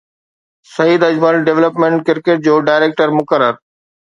Saeed Ajmal development cricket جو director مقرر